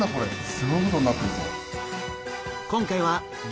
すごいことになってるぞ。